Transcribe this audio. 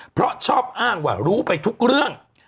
เพราะชอบอ้างว่ารู้ไปทุกเรื่อง